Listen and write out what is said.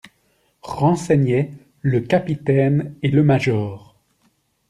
Renseignaient le capitaine et le major.